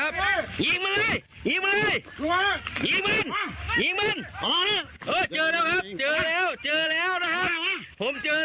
สุดท่านช่วย